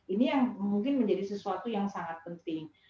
ini yang mungkin menjadi sesuatu yang sangat penting